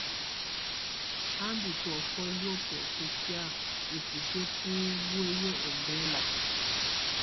Á ndù tɔ̀ofɔ luǝ́ bɔ̀ósɛ tɛ̀á ú busiǝ́ bù wǝ̀yi ɔmbɛla.